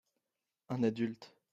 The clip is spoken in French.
un adulte.